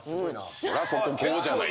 そりゃそこ５じゃない。